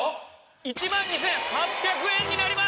１万２８００円になります！